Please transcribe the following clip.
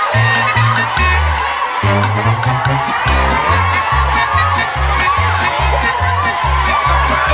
ได้มั้ยยังลูก